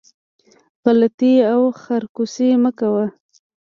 غلطي او خرکوسي مه کوئ